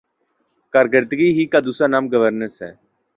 کارکردگی ہی کا دوسرا نام گورننس ہے۔